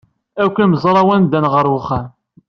Akk imezrawen ddan ɣer uxxam.